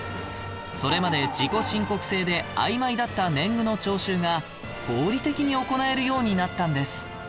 それまで自己申告制で曖昧だった年貢の徴収が合理的に行えるようになったんです